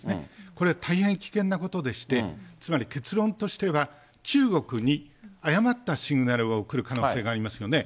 これ、大変危険なことでして、つまり結論としては、中国に誤ったシグナルを送る可能性がありますよね。